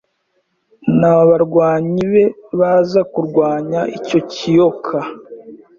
nabarwanyi be baza kurwanya icyo kiyoka